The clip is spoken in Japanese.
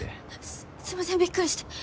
すすいませんびっくりして。